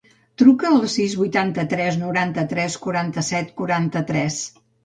Truca al sis, vuitanta-tres, noranta-tres, quaranta-set, quaranta-tres.